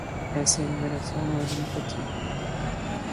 Essa enumeração não é limitativa.